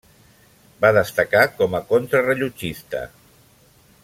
Va destacar com a contrarellotgista.